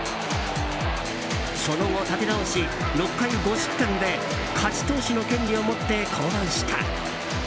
その後、立て直し６回５失点で勝ち投手の権利を持って降板した。